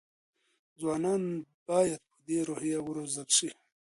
ځوانان باید په دې روحیه وروزل شي.